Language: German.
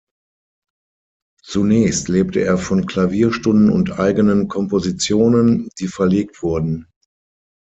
Zunächst lebte er von Klavierstunden und eigenen Kompositionen, die verlegt wurden.